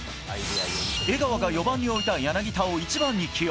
江川が４番に置いた柳田を１番に起用。